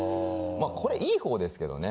これいい方ですけどね。